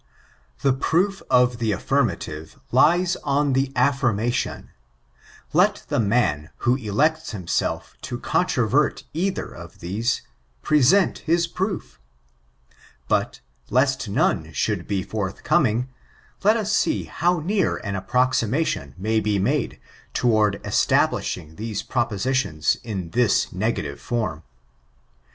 The proof of the affirmative lies on the affirmant; let the man, who elects himself to . controvert either of ' I l^«l^^^«^^^^^^^«^k^«^k^^^^ I I ' 628 BT&ICTUREa these, present his pro^. Bat, lest noue sboold be forthcomiDg» let us see how near an approximation may be made toward establishing these propositions in this negative form.